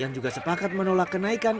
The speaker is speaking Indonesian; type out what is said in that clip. yang juga sepakat menolak kenaikan